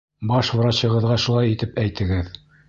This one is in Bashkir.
Баш врачығыҙға шулай тип әйтегеҙ!